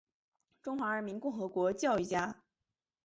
中华人民共和国教育家。